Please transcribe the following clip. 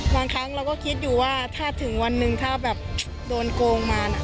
ครั้งเราก็คิดอยู่ว่าถ้าถึงวันหนึ่งถ้าแบบโดนโกงมา